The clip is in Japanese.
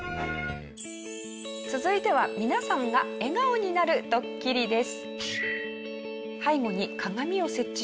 続いては皆さんが笑顔になるドッキリです。